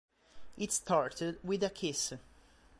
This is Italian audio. It Started With a Kiss